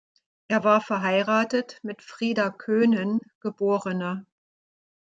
Er war verheiratet mit Frieda Koenen, geb.